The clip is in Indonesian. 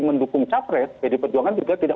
mendukung capres pdi perjuangan juga tidak